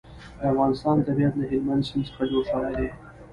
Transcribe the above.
د افغانستان طبیعت له هلمند سیند څخه جوړ شوی دی.